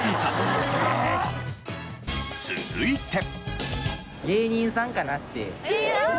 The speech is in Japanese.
続いて。